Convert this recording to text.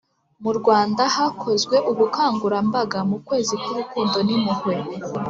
Murwanda hakozwe ubukangurambaga mu kwezi kurukundo nimpuhwe